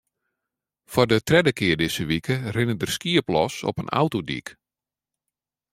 Foar de tredde kear dizze wike rinne der skiep los op in autodyk.